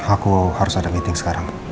aku harus ada meeting sekarang